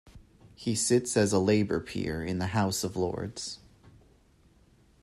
He sits as a Labour peer in the House of Lords.